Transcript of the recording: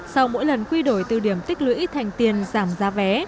sau mỗi lần quy đổi từ điểm tích lũy thành tiền giảm giá vé